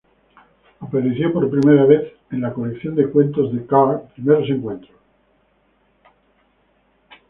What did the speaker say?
Apareció por primera vez en la colección de cuentos de Card, "Primeros encuentros".